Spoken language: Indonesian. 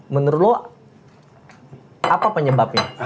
menurut loa apa penyebabnya